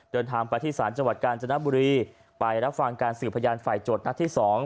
เดินทางไปที่ศาลจังหวัดกาญจนบุรีไปรับฟังการสื่อพยานฝ่ายโจทย์นัดที่๒